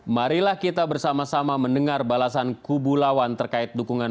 marilah kita bersama sama mendengar balasan kubu lawan terkait dukungan